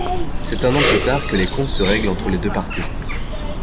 C'est un an plus tard que les comptes se règlent entre les deux partis.